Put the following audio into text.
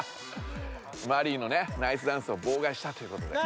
マリイのねナイスダンスをぼうがいしたということで。